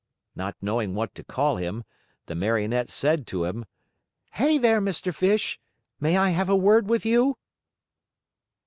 Not knowing what to call him, the Marionette said to him: "Hey there, Mr. Fish, may I have a word with you?"